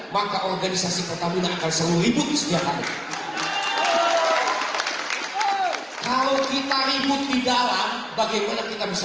maka organisasi pertamina akan selalu ribut setiap hari kalau kita ribut di dalam bagaimana kita bisa